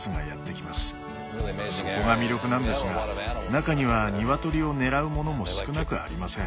そこが魅力なんですが中にはニワトリを狙うものも少なくありません。